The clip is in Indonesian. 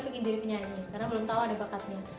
pengen jadi penyanyi karena belum tau ada bakatnya